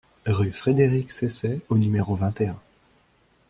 Rue Frédéric Saisset au numéro vingt et un